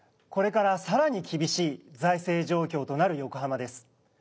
これからさらに厳しい財政状況となる横浜です。